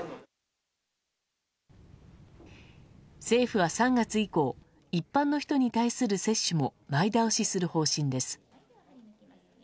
政府は３月以降一般の人に対する接種も前倒しする方針です。